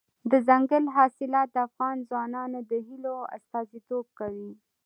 دځنګل حاصلات د افغان ځوانانو د هیلو استازیتوب کوي.